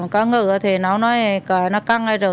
các người thì nó nói là nó căng này rồi